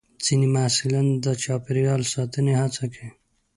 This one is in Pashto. ځینې محصلین د چاپېریال ساتنې هڅه کوي.